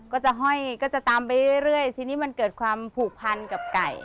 ก็จะห้อยก็จะตามไปเรื่อยทีนี้มันเกิดความผูกพันกับไก่